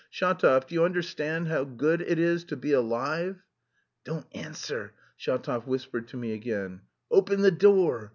Shatov, do you understand how good it is to be alive!" "Don't answer!" Shatov whispered to me again. "Open the door!